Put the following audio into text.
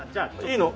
いいの？